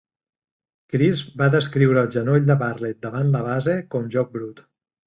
Crisp va descriure el genoll de Bartlett davant la base com "joc brut".